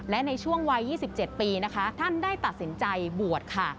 และในช่วงวัย๒๗ปีนะคะท่านได้ตัดสินใจบวชค่ะ